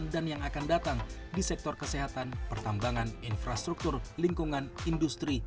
di sektor kesehatan pertambangan infrastruktur lingkungan industri